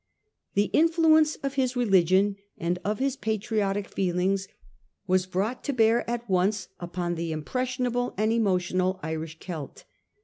The influence of his religion and of his patriotic feelings was brought to bear at once upon the impressionable and emotional Irish Celt.